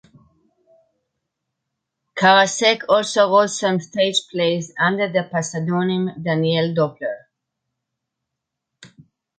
Karasek also wrote some stage plays under the pseudonym "Daniel Doppler".